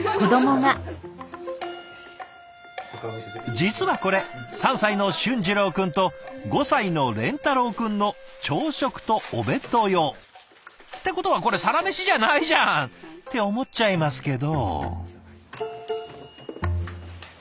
実はこれ３歳の峻次郎君と５歳の錬太郎君の朝食とお弁当用。ってことはこれサラメシじゃないじゃん！って思っちゃいますけど。